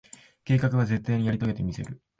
計画は、絶対にやり遂げてみせる。